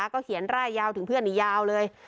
ก็เขียนร่ายยาวถึงเพื่อนอีกยาวเลย